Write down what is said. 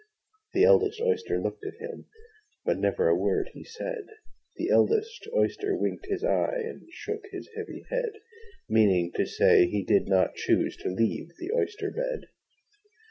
The eldest Oyster looked at him, But never a word he said: The eldest Oyster winked his eye, And shook his heavy head Meaning to say he did not choose To leave the oyster bed.